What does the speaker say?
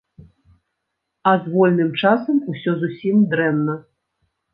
А з вольным часам усё зусім дрэнна.